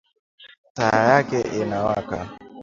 Taa yake inawaka